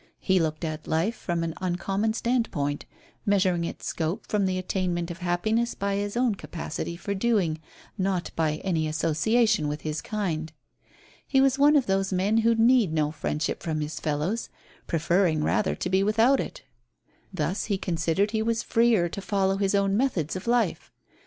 He looked at life from an uncommon standpoint, measuring its scope for the attainment of happiness by his own capacity for doing, not by any association with his kind. He was one of those men who need no friendship from his fellows, preferring rather to be without it. Thus he considered he was freer to follow his own methods of life.